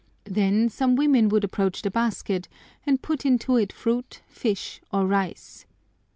Then some women would approach the basket and put into it fruit, fish, or rice.